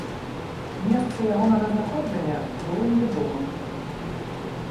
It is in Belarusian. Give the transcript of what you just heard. Месца ягонага знаходжання было невядомым.